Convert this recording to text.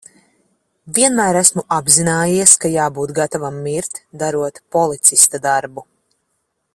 Vienmēr esmu apzinājies, ka jābūt gatavam mirt, darot policista darbu.